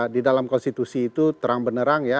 di dalam konstitusi itu terang benerang ya